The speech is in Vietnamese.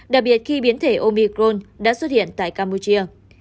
đặc biệt khi biến thể omicron đã xuất hiện tại campuchia